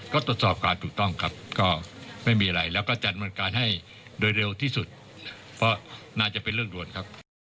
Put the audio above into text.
ก็ตรวจสอบการถูกต้องครับก็ไม่มีอะไรแล้วก็จัดบริการให้โดยเร็วที่สุดเพราะน่าจะเป็นเรื่องด่วนครับ